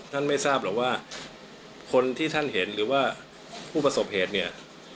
ไม่ทราบหรอกว่าคนที่ท่านเห็นหรือว่าผู้ประสบเหตุเนี่ย